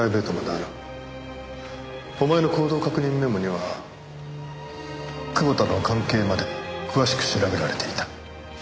お前の行動確認メモには久保田との関係まで詳しく調べられていた。